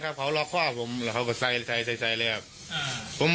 ก็คือผู้ลอกข้อผมก็ครับลอกข้อเราก็บอกตัวปีนกระเต๊งผม